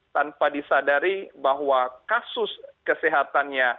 tanpa disadari bahwa kasus kesehatannya